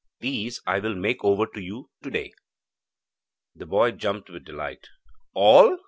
These I will make over to you to day.' The boy jumped with delight. 'All?'